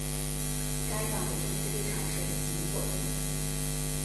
该党的政治立场是极左翼。